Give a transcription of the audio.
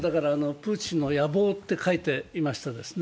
プーチンの野望と書いていましたね。